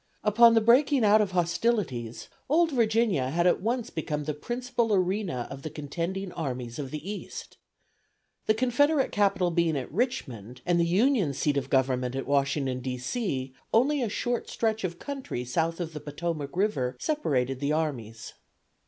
Upon the breaking out of hostilities old Virginia had at once become the principal arena of the contending armies of the East. The Confederate capital being at Richmond and the Union seat of Government at Washington, D. C., only a short stretch of country south of the Potomac River separated the armies.